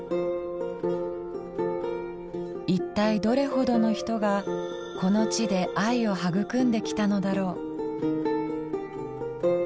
一体どれほどの人がこの地で愛を育んできたのだろう。